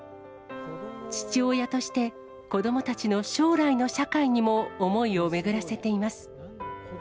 父親として、子どもたちの将来の社会にも思いを巡らせています。